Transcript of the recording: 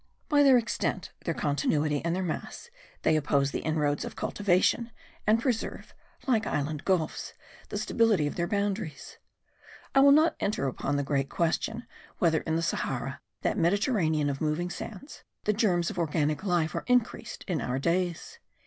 By their extent, their continuity, and their mass they oppose the inroads of cultivation and preserve, like inland gulfs, the stability of their boundaries. I will not enter upon the great question, whether in the Sahara, that Mediterranean of moving sands, the germs of organic life are increased in our days.